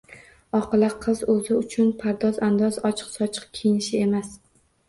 Oqila qiz o‘zi uchun pardoz-andozni, ochiq-sochiq kiyinishni emas